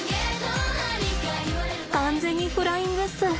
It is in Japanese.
完全にフライングっす。